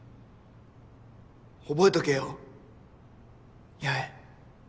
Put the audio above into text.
覚えとけよ八重。